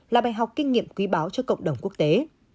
là bài học kinh nghiệm quý báo cho cộng đồng quốc tế